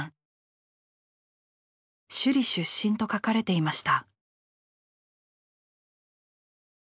首里出身と書かれていました。